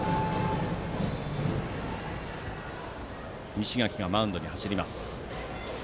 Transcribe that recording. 西垣がマウンドに走ります。